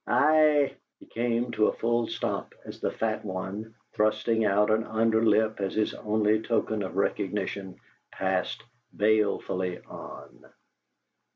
I " He came to a full stop, as the fat one, thrusting out an under lip as his only token of recognition, passed balefully on.